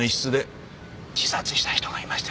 自殺した人がいましてね。